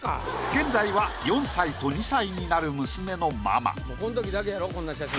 現在は４歳と２歳になる娘のママ。